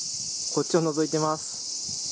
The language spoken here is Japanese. こっちをのぞいています。